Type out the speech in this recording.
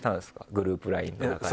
グループＬＩＮＥの中で。